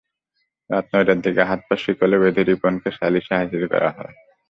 রাত নয়টার দিকে হাত-পা শিকলে বেঁধে রিপনকে সালিস হাজির করা হয়।